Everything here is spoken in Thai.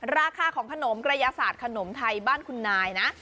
ราคาของขนมกระยาศาสตร์ขนมไทยบ้านคุณนายนะ